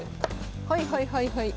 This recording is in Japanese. はいはいはいはい。